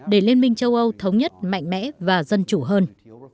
để liên minh châu âu thống nhất mạnh mẽ và dân chủ hơn